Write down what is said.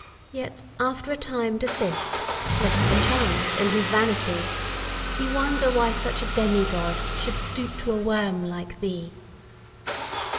Yet, after a time, desist; lest perchance, in his vanity, He wonder why such a demi god should stoop to a worm like thee!